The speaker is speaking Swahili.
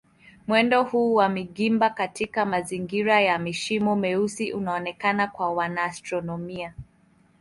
Mwendo huu wa magimba katika mazingira ya mashimo meusi unaonekana kwa wanaastronomia.